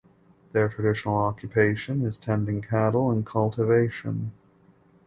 Their traditional occupation is tending cattle and cultivation.